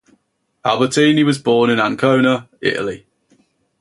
Albertini was born in Ancona, Italy.